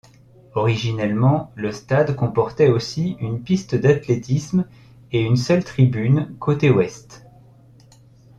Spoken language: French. Originellement, le stade comportait aussi une piste d'athlétisme et une seule tribune, côté Ouest.